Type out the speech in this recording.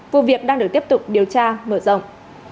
vụ việc đang được tiếp tục điều tra mở rộng